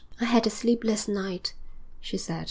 'I had a sleepless night,' she said.